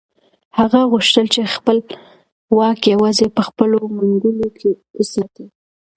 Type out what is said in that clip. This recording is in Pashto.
هغه غوښتل چې خپل واک یوازې په خپلو منګولو کې وساتي.